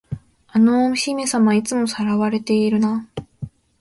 あのお姫様、いつも掠われてるな。